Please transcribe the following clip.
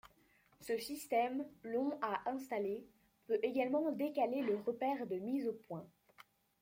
Ce système, long à installer, peut également décaler le repère de mise au point.